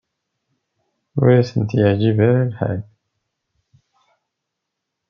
Ur ten-yeɛjib ara lḥal.